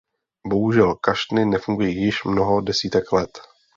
Bohužel kašny nefungují již mnoho desítek let.